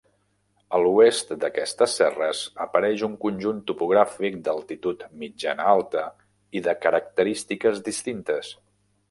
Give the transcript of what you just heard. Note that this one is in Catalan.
A l'oest d'aquestes serres apareix un conjunt topogràfic d'altitud mitjana-alta i de característiques distintes.